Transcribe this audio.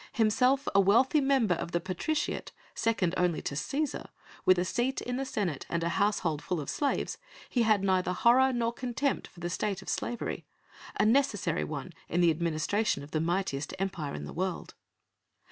Himself a wealthy member of the patriciate, second only to the Cæsar, with a seat in the Senate and a household full of slaves, he had neither horror nor contempt for the state of slavery a necessary one in the administration of the mightiest Empire in the world.